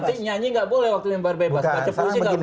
nanti nyanyi gak boleh waktu mimbar bebas